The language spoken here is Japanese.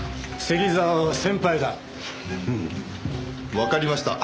わかりました。